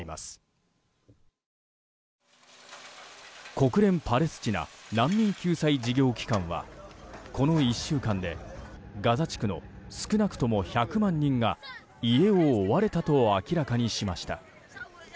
国連パレスチナ難民救済事業機関はこの１週間でガザ地区の少なくとも１００万人が家を追われたと明らかにしました。